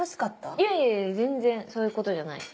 いやいや全然そういうことじゃない。